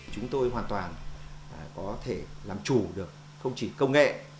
chúng tôi hoàn toàn có thể làm chủ được không chỉ công nghệ